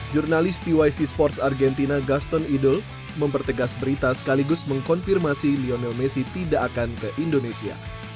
jurnalis tyc sports argentina gaston idol mempertegas berita sekaligus mengkonfirmasi lionel messi tidak akan ke indonesia